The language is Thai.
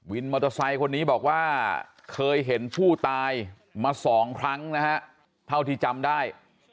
มอเตอร์ไซค์คนนี้บอกว่าเคยเห็นผู้ตายมาสองครั้งนะฮะเท่าที่จำได้